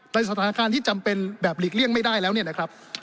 สถานการณ์ที่จำเป็นแบบหลีกเลี่ยงไม่ได้แล้วเนี่ยนะครับ